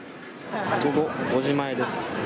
午後５時前です。